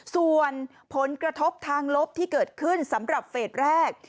ส่วนผลกระทบทางลบที่เกิดขึ้นสำหรับเฟสแรก